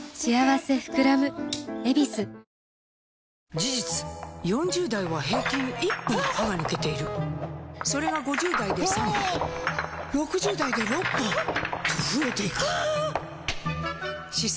事実４０代は平均１本歯が抜けているそれが５０代で３本６０代で６本と増えていく歯槽